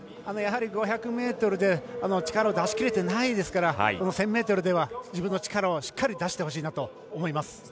５００ｍで力を出し切れていないので１０００ｍでは自分の力をしっかり出してほしいなと思います。